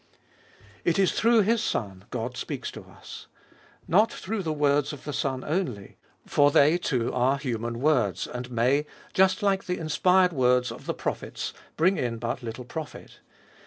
It is through this Son God speaks to us. Not through the words of the Son only, for they too are human words, and may, just like the inspired words of the prophets, bring in but little profit.